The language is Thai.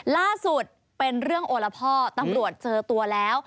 ล่าสุดเป็นเรื่องโอละพ่อตำรวจเจอตัวแล้ว